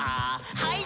はい。